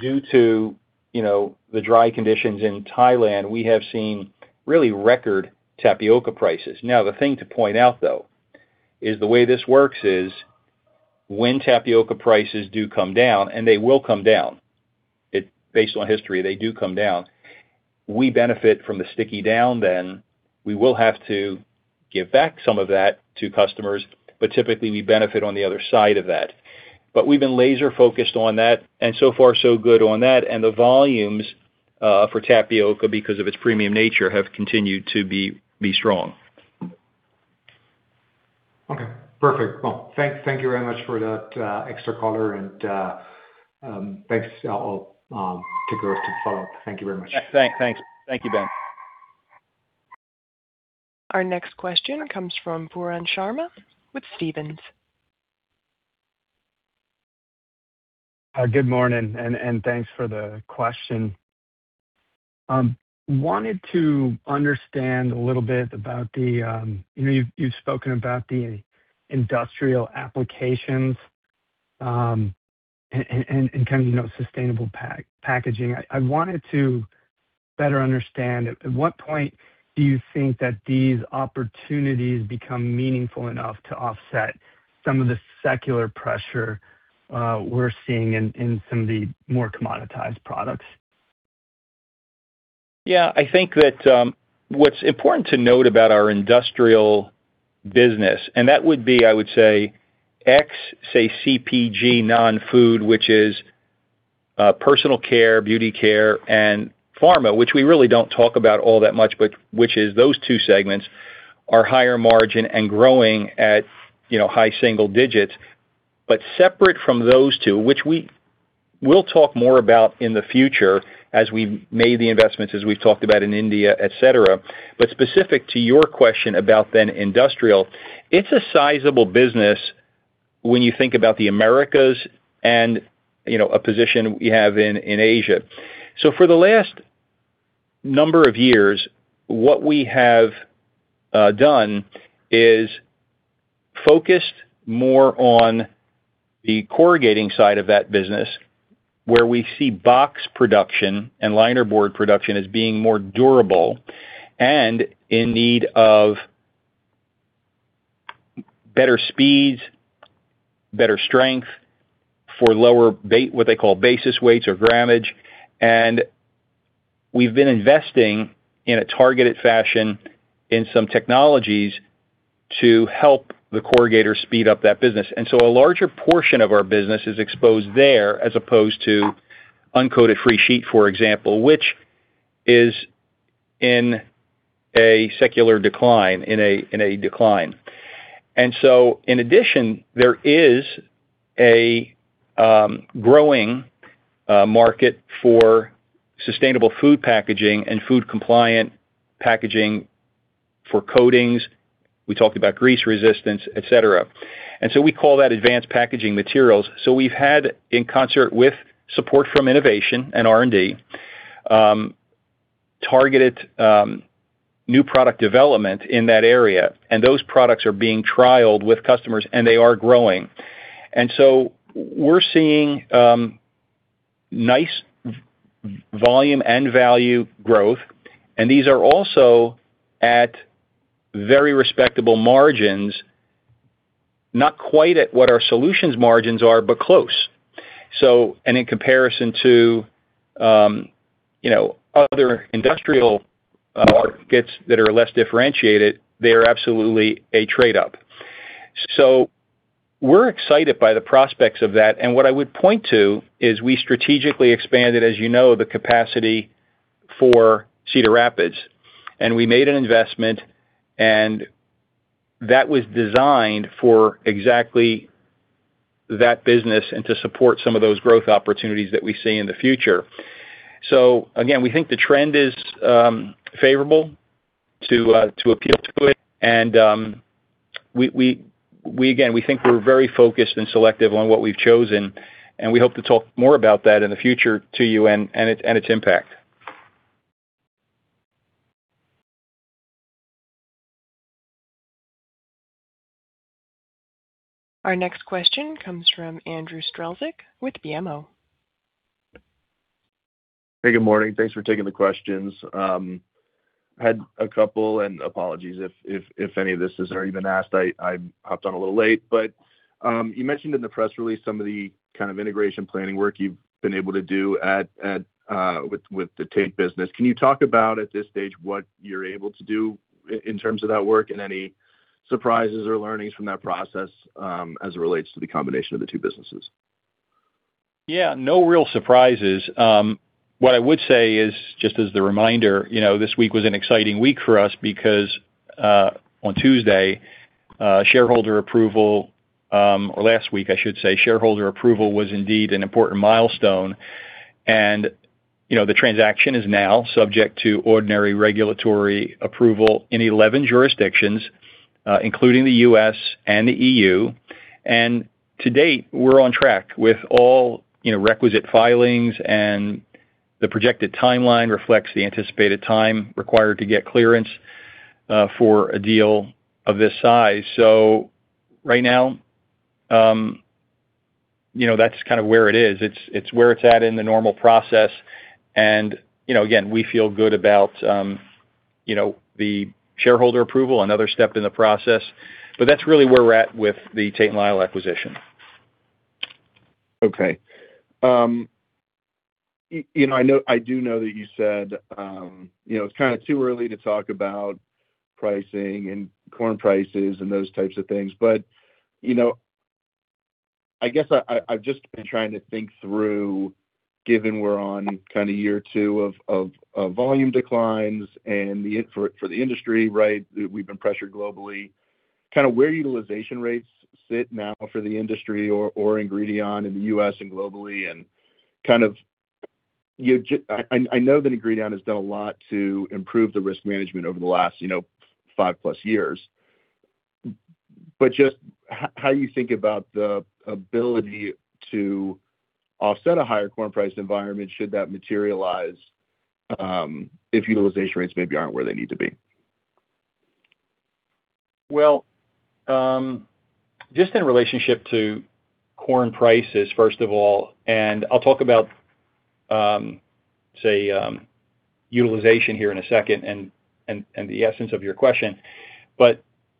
due to the dry conditions in Thailand, we have seen really record tapioca prices. The thing to point out, though, is the way this works is when tapioca prices do come down, and they will come down. Based on history, they do come down. We benefit from the sticky down then. We will have to give back some of that to customers, typically we benefit on the other side of that. We've been laser-focused on that and so far so good on that. The volumes for tapioca, because of its premium nature, have continued to be strong.
Okay, perfect. Well, thank you very much for that extra color. Thanks. I'll take those to follow up. Thank you very much.
Yeah. Thanks. Thank you, Ben.
Our next question comes from Pooran Sharma with Stephens.
Good morning, thanks for the question. I wanted to understand a little bit about you've spoken about the industrial applications and kind of sustainable packaging. I wanted to better understand at what point do you think that these opportunities become meaningful enough to offset some of the secular pressure we're seeing in some of the more commoditized products?
I think that what's important to note about our Iindustrial business, that would be, I would say, ex CPG non-food, which is personal care, beauty care and pharma, which we really don't talk about all that much, which is those two segments are higher margin and growing at high single digits. Separate from those two, which we'll talk more about in the future as we've made the investments as we've talked about in India, et cetera. Specific to your question about Industrial, it's a sizable business when you think about the Americas and a position we have in Asia. For the last number of years, what we have done is focused more on the corrugating side of that business, where we see box production and linerboard production as being more durable and in need of better speeds, better strength for lower, what they call basis weights or grammage. We've been investing in a targeted fashion in some technologies to help the corrugator speed up that business. A larger portion of our business is exposed there as opposed to uncoated free sheet, for example, which is in a secular decline. In addition, there is a growing market for sustainable food packaging and food-compliant packaging for coatings. We talked about grease resistance, et cetera. We call that Advanced Packaging Materials. We've had, in concert with support from innovation and R&D, targeted new product development in that area, and those products are being trialed with customers, and they are growing. We're seeing nice volume and value growth, and these are also at very respectable margins, not quite at what our solutions margins are, but close. In comparison to other industrial markets that are less differentiated, they are absolutely a trade-up. We're excited by the prospects of that. What I would point to is we strategically expanded, as you know, the capacity for Cedar Rapids, and we made an investment, and that was designed for exactly that business and to support some of those growth opportunities that we see in the future. Again, we think the trend is favorable to appeal to it. Again, we think we're very focused and selective on what we've chosen, and we hope to talk more about that in the future to you and its impact.
Our next question comes from Andrew Strelzik with BMO.
Hey, good morning. Thanks for taking the questions. Had a couple, and apologies if any of this has already been asked. I hopped on a little late. You mentioned in the press release some of the kind of integration planning work you've been able to do with the Tate business. Can you talk about at this stage what you're able to do in terms of that work and any surprises or learnings from that process as it relates to the combination of the two businesses?
No real surprises. What I would say is, just as a reminder, this week was an exciting week for us because on Tuesday, shareholder approval, or last week, I should say, shareholder approval was indeed an important milestone. The transaction is now subject to ordinary regulatory approval in 11 jurisdictions including the U.S. and the EU. To date, we're on track with all requisite filings, and the projected timeline reflects the anticipated time required to get clearance for a deal of this size. Right now, that's kind of where it is. It's where it's at in the normal process. We feel good about the shareholder approval, another step in the process. That's really where we're at with the Tate & Lyle acquisition.
Okay. I do know that you said it's kind of too early to talk about pricing and corn prices and those types of things. I guess I've just been trying to think through, given we're on kind of year two of volume declines and for the industry, right, we've been pressured globally, kind of where utilization rates sit now for the industry or Ingredion in the U.S. and globally. I know that Ingredion has done a lot to improve the risk management over the last five plus years. Just how you think about the ability to offset a higher corn price environment, should that materialize if utilization rates maybe aren't where they need to be?
Well, just in relationship to corn prices, first of all, and I'll talk about, say, utilization here in a second and the essence of your question.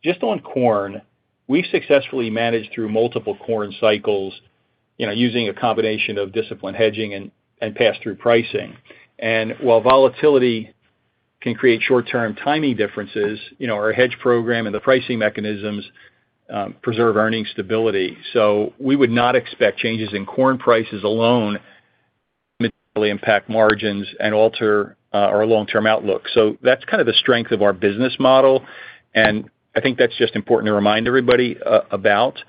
Just on corn, we've successfully managed through multiple corn cycles using a combination of disciplined hedging and pass-through pricing. While volatility can create short-term timing differences, our hedge program and the pricing mechanisms preserve earning stability. We would not expect changes in corn prices alone materially impact margins and alter our long-term outlook. That's kind of the strength of our business model, and I think that's just important to remind everybody about.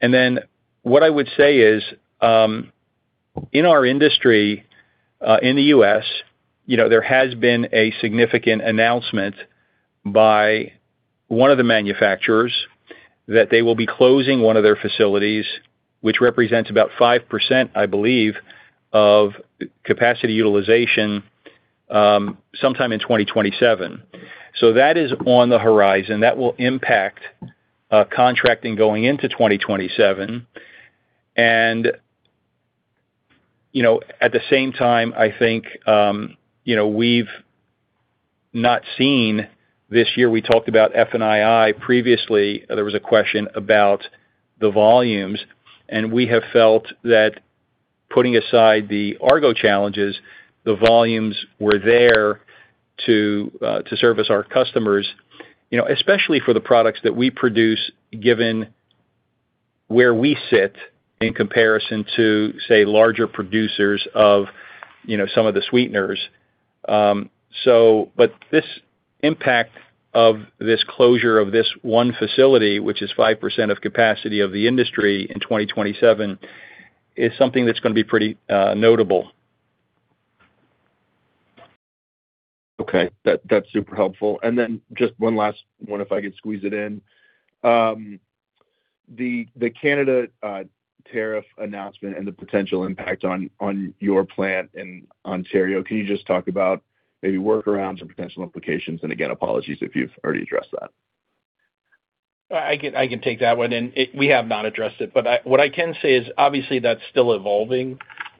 Then, what I would say is in our industry, in the U.S., there has been a significant announcement by one of the manufacturers that they will be closing one of their facilities, which represents about 5%, I believe, of capacity utilization, sometime in 2027. That is on the horizon. That will impact contracting going into 2027. At the same time, I think we've not seen this year, we talked about F&II previously, there was a question about the volumes. We have felt that putting aside the Argo challenges, the volumes were there to service our customers, especially for the products that we produce, given where we sit in comparison to, say, larger producers of some of the sweeteners. This impact of this closure of this one facility, which is 5% of capacity of the industry in 2027, is something that's going to be pretty notable.
Okay. That's super helpful. Just one last one, if I could squeeze it in. The Canada tariff announcement and the potential impact on your plant in Ontario, can you just talk about maybe workarounds or potential implications? Apologies if you've already addressed that.
I can take that one. We have not addressed it. What I can say is, obviously, that's still evolving.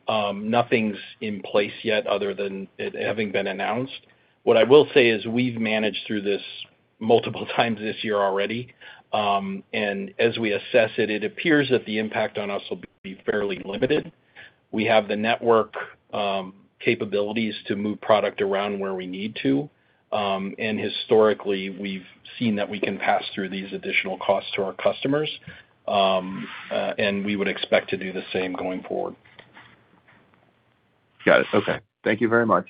Nothing's in place yet other than it having been announced. What I will say is we've managed through this multiple times this year already. As we assess it, it appears that the impact on us will be fairly limited. We have the network capabilities to move product around where we need to. Historically, we've seen that we can pass through these additional costs to our customers. We would expect to do the same going forward.
Got it. Okay. Thank you very much.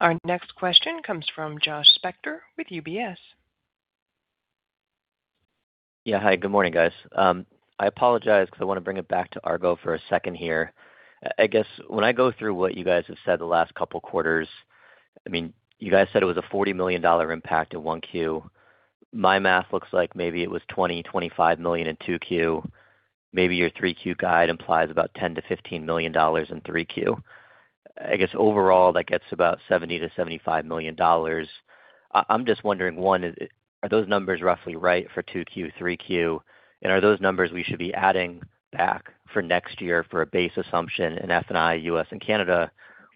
Our next question comes from Josh Spector with UBS.
Yeah. Hi, good morning, guys. I apologize because I want to bring it back to Argo for a second here. I guess when I go through what you guys have said the last couple quarters, you guys said it was a $40 million impact in 1Q. My math looks like maybe it was $20 million, $25 million in 2Q. Maybe your 3Q guide implies about $10 million-$15 million in 3Q. I guess overall, that gets about $70 million-$75 million. I'm just wondering, one, are those numbers roughly right for 2Q, 3Q? Are those numbers we should be adding back for next year for a base assumption in F&II—U.S./CAN,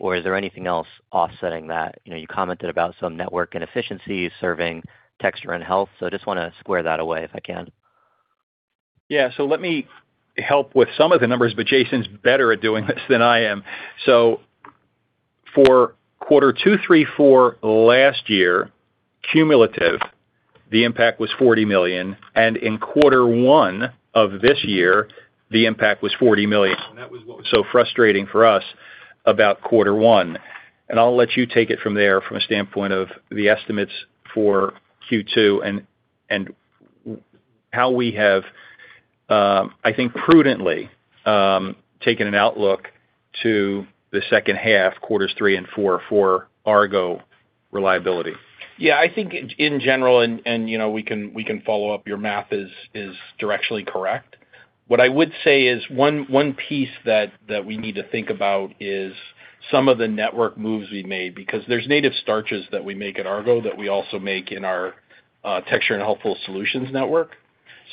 or is there anything else offsetting that? You commented about some network and efficiency serving Texture & Healthful Solutions, so I just want to square that away if I can.
Yeah. Let me help with some of the numbers, but Jason's better at doing this than I am. For quarter two, three, four last year, cumulative, the impact was $40 million, and in quarter one of this year, the impact was $40 million. That was what was so frustrating for us about quarter one. I'll let you take it from there from a standpoint of the estimates for Q2 and how we have, I think, prudently taken an outlook to the second half, quarters three and four for Argo reliability.
Yeah, I think in general, and we can follow up, your math is directionally correct. What I would say is one piece that we need to think about is some of the network moves we made because there's native starches that we make at Argo that we also make in our Texture & Healthful Solutions network.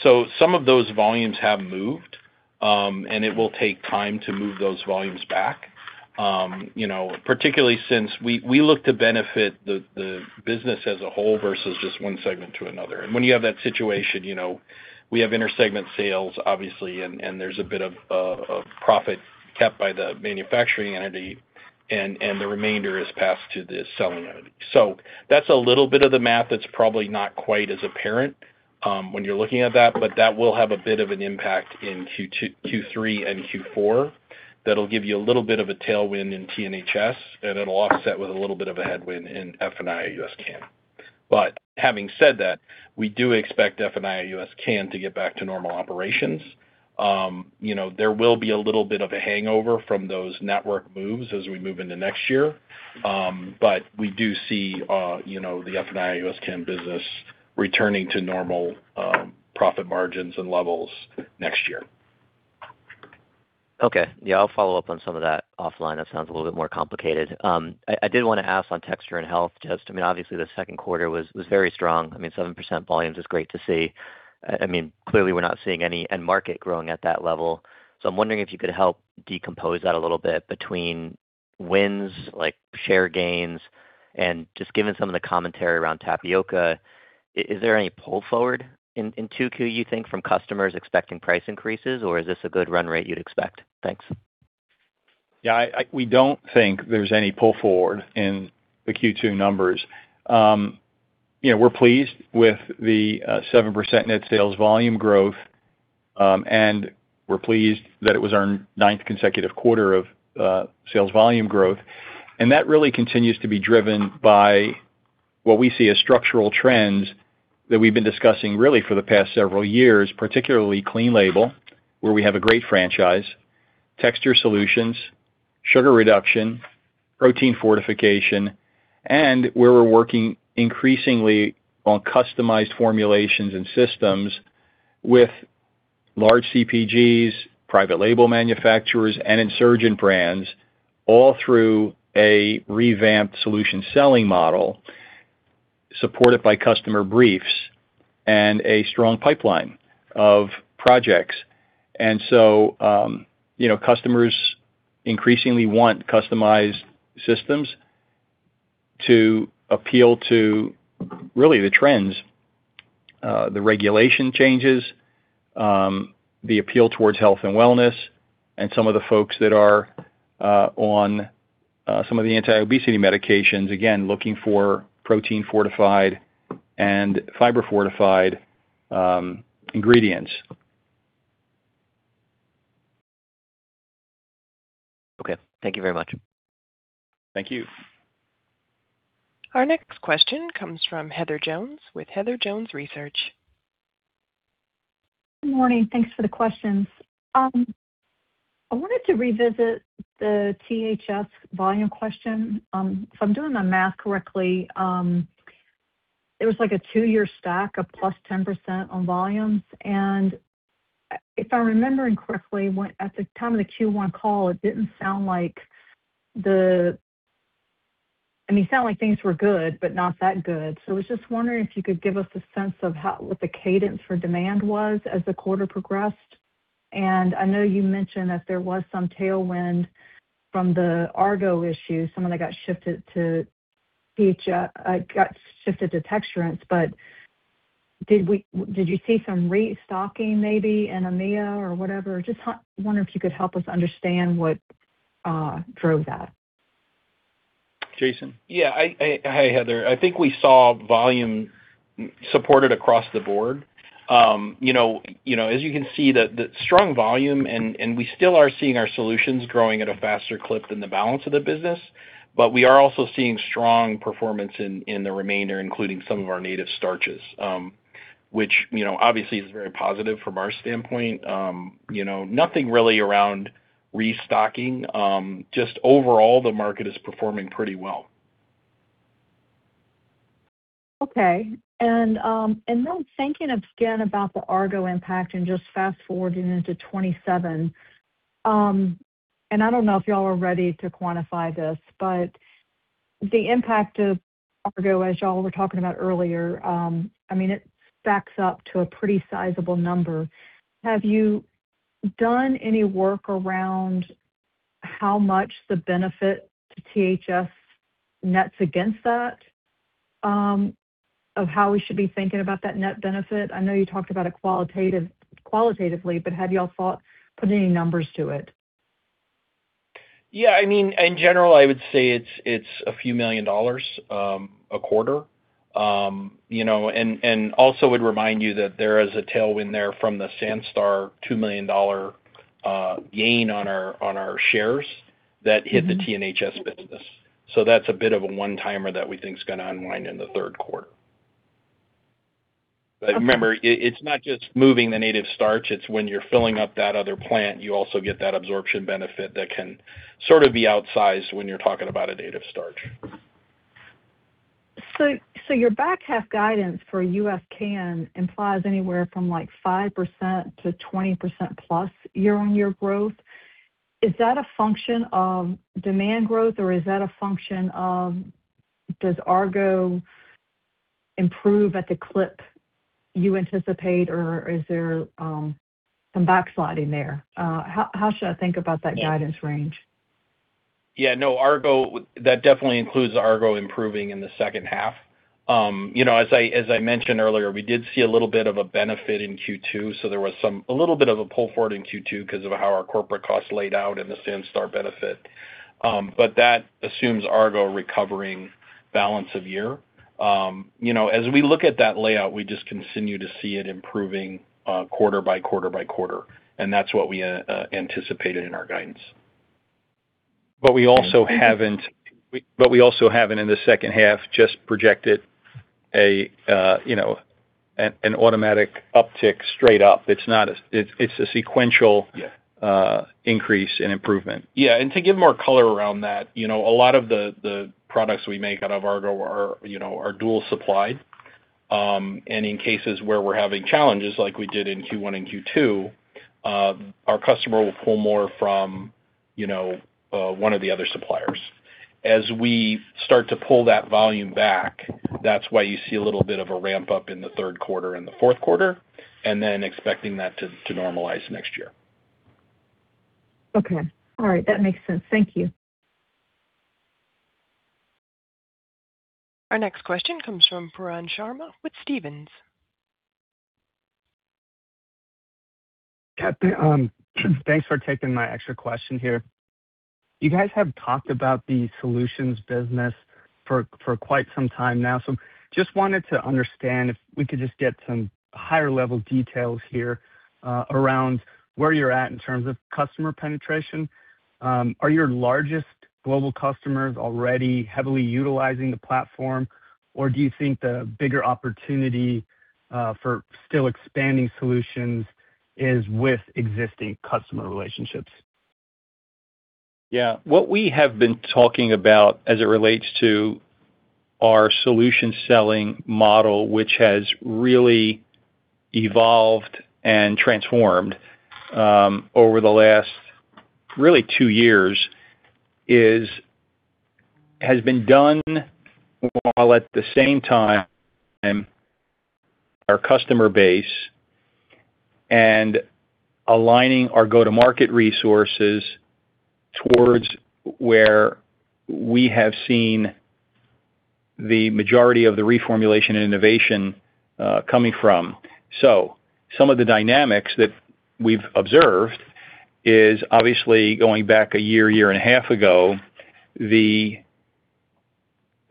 Some of those volumes have moved, and it will take time to move those volumes back. Particularly since we look to benefit the business as a whole versus just one segment to another. When you have that situation we have inter-segment sales, obviously, and there's a bit of profit kept by the manufacturing entity and the remainder is passed to the selling entity. That's a little bit of the math that's probably not quite as apparent when you're looking at that, but that will have a bit of an impact in Q3 and Q4. That'll give you a little bit of a tailwind in T&HS, and it'll offset with a little bit of a headwind in F&II—U.S./CAN. Having said that, we do expect F&II—U.S./CAN to get back to normal operations. There will be a little bit of a hangover from those network moves as we move into next year. We do see the F&II—U.S./CAN business returning to normal profit margins and levels next year.
Okay. Yeah, I'll follow up on some of that offline. That sounds a little bit more complicated. I did want to ask on Texture & Healthful Solutions, just, obviously the second quarter was very strong. 7% volumes is great to see. Clearly we're not seeing any end market growing at that level. I'm wondering if you could help decompose that a little bit between wins like share gains and just given some of the commentary around tapioca, is there any pull forward in Q2 you think from customers expecting price increases or is this a good run rate you'd expect? Thanks.
Yeah, we don't think there's any pull forward in the Q2 numbers. We're pleased with the 7% net sales volume growth. We're pleased that it was our ninth consecutive quarter of sales volume growth. That really continues to be driven by what we see as structural trends that we've been discussing really for the past several years, particularly clean label, where we have a great franchise, texture solutions, sugar reduction, protein fortification, and where we're working increasingly on customized formulations and systems with large CPGs, private label manufacturers, and insurgent brands, all through a revamped solution selling model supported by customer briefs and a strong pipeline of projects. Customers increasingly want customized systems to appeal to really the trends, the regulation changes, the appeal towards health and wellness, and some of the folks that are on some of the anti-obesity medications, again, looking for protein-fortified and fiber-fortified ingredients.
Okay. Thank you very much.
Thank you.
Our next question comes from Heather Jones with Heather Jones Research.
Good morning. Thanks for the questions. I wanted to revisit the T&HS volume question. If I'm doing the math correctly, it was like a two-year stack of +10% on volumes. If I'm remembering correctly, at the time of the Q1 call, it sounded like things were good, but not that good. I was just wondering if you could give us a sense of what the cadence for demand was as the quarter progressed. I know you mentioned that there was some tailwind from the Argo issue, some of that got shifted to Texture & Healthful Solutions. Did you see some restocking maybe in EMEA or whatever? Just wondering if you could help us understand what drove that.
Jason?
Yeah. Hi, Heather. I think we saw volume supported across the board. As you can see, the strong volume and we still are seeing our solutions growing at a faster clip than the balance of the business. We are also seeing strong performance in the remainder, including some of our native starches, which obviously is very positive from our standpoint. Nothing really around restocking. Just overall, the market is performing pretty well.
Okay. Thinking again about the Argo impact and just fast-forwarding into 2027. I don't know if y'all are ready to quantify this, but the impact of Argo, as y'all were talking about earlier, it stacks up to a pretty sizable number. Have you done any work around how much the benefit to T&HS nets against that of how we should be thinking about that net benefit? I know you talked about it qualitatively, but have y'all put any numbers to it?
Yeah. In general, I would say it's a few million dollars a quarter. Also would remind you that there is a tailwind there from the Sanstar $2 million gain on our shares that hit the T&HS business. That's a bit of a one-timer that we think is going to unwind in the third quarter.
Okay.
Remember, it's not just moving the native starch, it's when you're filling up that other plant, you also get that absorption benefit that can sort of be outsized when you're talking about a native starch.
Your back half guidance for U.S./CAN implies anywhere from 5%-20%+ year-on-year growth. Is that a function of demand growth, or is that a function of does Argo improve at the clip you anticipate, or is there some backsliding there? How should I think about that guidance range?
That definitely includes Argo improving in the second half. As I mentioned earlier, we did see a little bit of a benefit in Q2, so there was a little bit of a pull forward in Q2 because of how our corporate costs laid out and the Sanstar benefit. That assumes Argo recovering balance of year. As we look at that layout, we just continue to see it improving quarter by quarter by quarter, and that's what we anticipated in our guidance.
We also haven't in the second half just projected an automatic uptick straight up. It's a sequential-
Yeah.
Increase and improvement.
To give more color around that, a lot of the products we make out of Argo are dual-supplied. In cases where we're having challenges like we did in Q1 and Q2, our customer will pull more from one of the other suppliers. As we start to pull that volume back, that's why you see a little bit of a ramp-up in the third quarter and the fourth quarter, and then expecting that to normalize next year.
Okay. All right. That makes sense. Thank you.
Our next question comes from Pooran Sharma with Stephens.
Thanks for taking my extra question here. You guys have talked about the solutions business for quite some time now. Just wanted to understand if we could just get some higher level details here around where you're at in terms of customer penetration. Are your largest global customers already heavily utilizing the platform, or do you think the bigger opportunity for still expanding solutions is with existing customer relationships?
Yeah. What we have been talking about as it relates to our solution selling model, which has really evolved and transformed over the last really two years, has been done while at the same time our customer base and aligning our go-to-market resources towards where we have seen the majority of the reformulation and innovation coming from. Some of the dynamics that we've observed is obviously going back a year and a half ago, the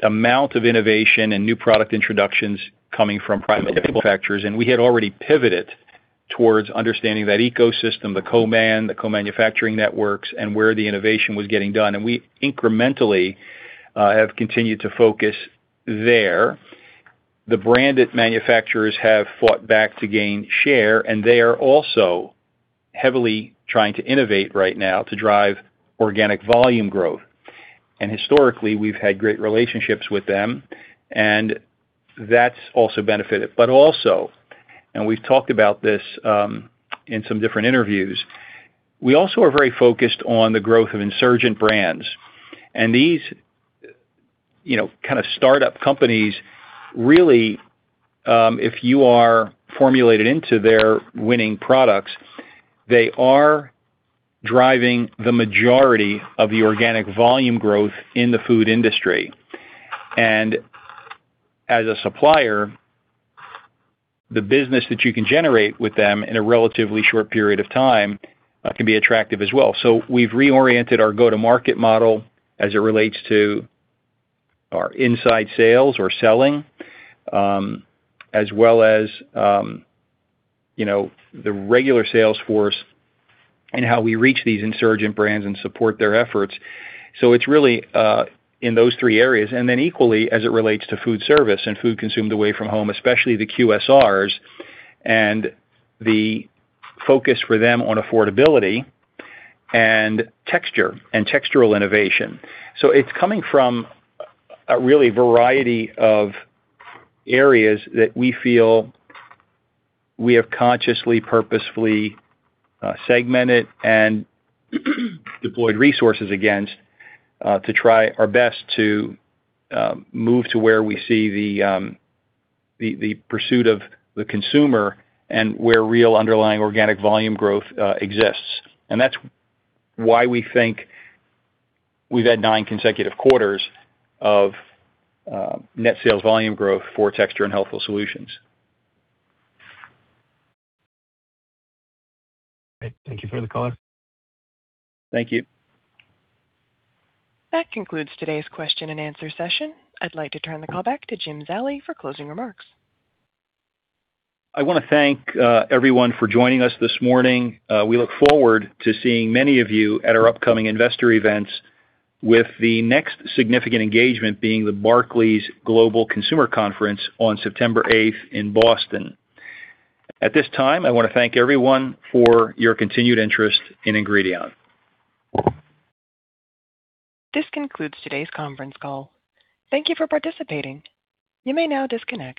amount of innovation and new product introductions coming from private label manufacturers, we had already pivoted towards understanding that ecosystem, the co-man, the co-manufacturing networks, and where the innovation was getting done. We incrementally have continued to focus there. The branded manufacturers have fought back to gain share, they are also heavily trying to innovate right now to drive organic volume growth. Historically, we've had great relationships with them, and that's also benefited. Also, we've talked about this in some different interviews, we also are very focused on the growth of insurgent brands. These kind of startup companies really, if you are formulated into their winning products, they are driving the majority of the organic volume growth in the food industry. As a supplier, the business that you can generate with them in a relatively short period of time can be attractive as well. We've reoriented our go-to-market model as it relates to our inside sales or selling as well as the regular sales force and how we reach these insurgent brands and support their efforts. It's really in those three areas. Equally as it relates to food service and food consumed away from home, especially the QSRs and the focus for them on affordability and texture and textural innovation. It's coming from a really variety of areas that we feel we have consciously, purposefully segmented and deployed resources against to try our best to move to where we see the pursuit of the consumer and where real underlying organic volume growth exists. That's why we think we've had nine consecutive quarters of net sales volume growth for Texture & Healthful Solutions.
Great. Thank you for the color.
Thank you.
That concludes today's question and answer session. I'd like to turn the call back to Jim Zallie for closing remarks.
I want to thank everyone for joining us this morning. We look forward to seeing many of you at our upcoming investor events with the next significant engagement being the Barclays Global Consumer Staples Conference on September 8th in Boston. At this time, I want to thank everyone for your continued interest in Ingredion.
This concludes today's conference call. Thank you for participating. You may now disconnect.